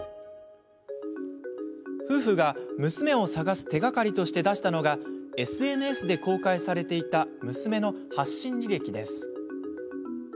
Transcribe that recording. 夫婦が娘を捜す手がかりとして出したのがＳＮＳで公開されていた娘の発信履歴です。